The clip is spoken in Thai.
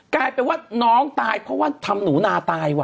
กลายเป็นว่าน้องตายเพราะว่าทำหนูนาตายว่